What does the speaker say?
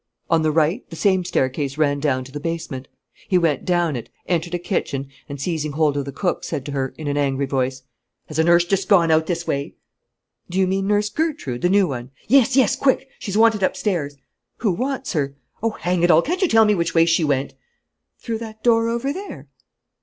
On the right, the same staircase ran down to the basement. He went down it, entered a kitchen and, seizing hold of the cook, said to her, in an angry voice: "Has a nurse just gone out this way?" "Do you mean Nurse Gertrude, the new one?" "Yes, yes, quick! she's wanted upstairs." "Who wants her?" "Oh, hang it all, can't you tell me which way she went?" "Through that door over there."